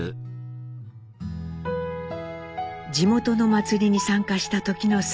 地元の祭りに参加した時の三郎。